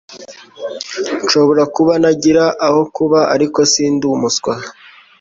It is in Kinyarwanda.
Nshobora kuba ntagira aho kuba ariko sindi umuswa